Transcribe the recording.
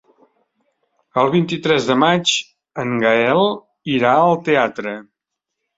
El vint-i-tres de maig en Gaël irà al teatre.